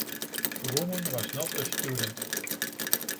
The woman was not a student.